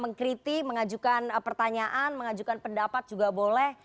mengkritik mengajukan pertanyaan mengajukan pendapat juga boleh